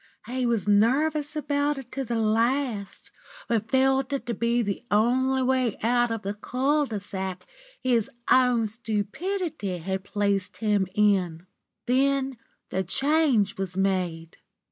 He was nervous about it to the last, but felt it to be the only way out of the cul de sac his own stupidity had placed him in. Then the change was made.